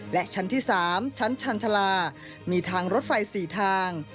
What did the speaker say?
และชั้นที่๓ชั้นชาญชาลามีทางรถไฟ๔ทาง